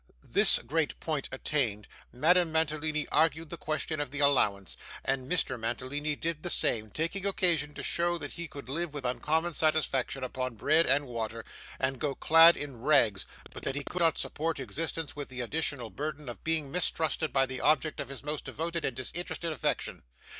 This great point attained, Madame Mantalini argued the question of the allowance, and Mr Mantalini did the same, taking occasion to show that he could live with uncommon satisfaction upon bread and water, and go clad in rags, but that he could not support existence with the additional burden of being mistrusted by the object of his most devoted and disinterested affection.